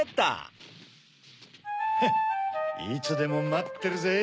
フッいつでもまってるぜ。